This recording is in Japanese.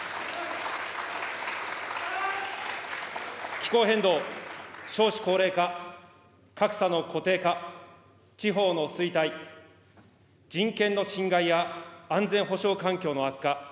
気候変動、少子高齢化、格差の固定化、地方の衰退、人権の侵害や安全保障環境の悪化。